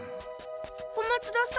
小松田さん。